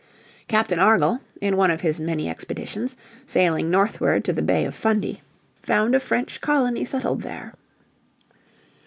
Captain Argall, in one of his many expeditions, sailing northward to the Bay of Fundy, found a French colony settled there.